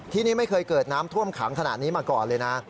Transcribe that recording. ที่นี่ไม่เคยเกิดน้ำท่วมขังขนาดนี้มาก่อนเลยนะ